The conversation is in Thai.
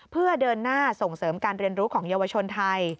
เพื่อเดินหน้าส่งเสริมการเรียนรู้ของเยาวชนไทย